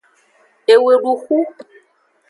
Eweduxu.